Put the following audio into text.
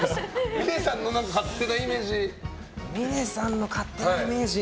峰さんの勝手なイメージがあれば。